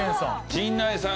陣内さん